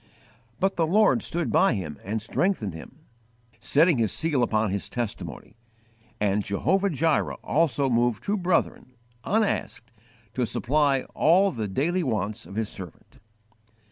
But the Lord stood by him and strengthened him, setting His seal upon his testimony; and Jehovah Jireh also moved two brethren, unasked, to supply all the daily wants of His servant.